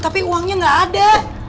tapi uangnya gak ada